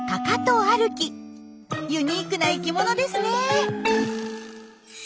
ユニークな生きものですね。